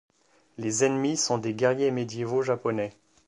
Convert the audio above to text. Les ennemis sont des guerriers médiévaux japonais.